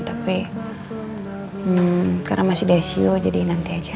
tapi karena masih di sio jadi nanti aja